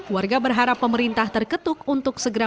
warga berharap pemerintah terketuk untuk segera